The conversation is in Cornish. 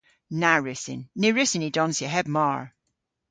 Na wrussyn. Ny wrussyn ni donsya heb mar!